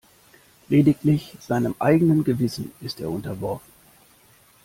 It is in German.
Lediglich seinem eigenen Gewissen ist er unterworfen.